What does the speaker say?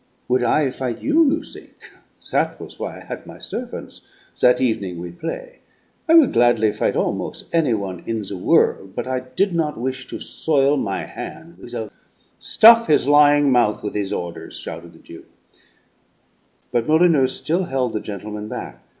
Would I fight you, you think? That was why I had my servants, that evening we play. I would gladly fight almos' any one in the won'; but I did not wish to soil my hand with a " "Stuff his lying mouth with his orders!" shouted the Duke. But Molyneux still held the gentlemen back.